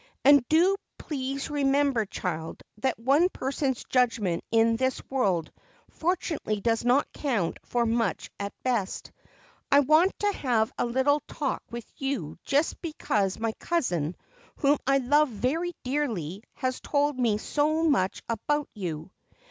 And do please remember, child, that one person's judgment in this world fortunately does not count for much at best. I want to have a little talk with you just because my cousin, whom I love very dearly, has told me so much about you."